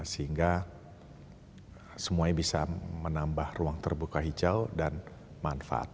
sehingga semuanya bisa menambah ruang terbuka hijau dan manfaat